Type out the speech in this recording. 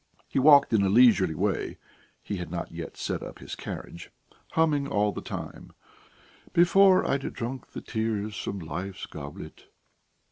He walked in a leisurely way (he had not yet set up his carriage), humming all the time: "'Before I'd drunk the tears from life's goblet....'"